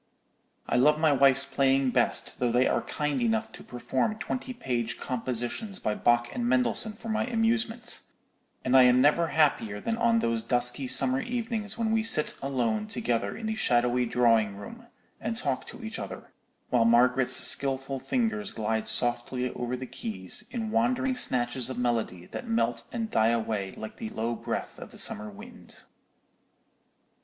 "I love my wife's playing best, though they are kind enough to perform twenty page compositions by Bach and Mendelssohn for my amusement: and I am never happier than on those dusky summer evenings when we sit alone together in the shadowy drawing room, and talk to each other, while Margaret's skilful fingers glide softly over the keys in wandering snatches of melody that melt and die away like the low breath of the summer wind."